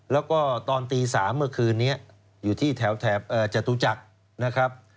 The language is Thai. แล้วก็ตอนตี๓เมื่อคืนนี้อยู่ที่แถบจตุจักรนะครับ